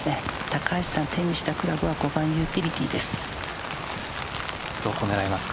高橋さんが手にしたクラブは５番ユーティリティーです。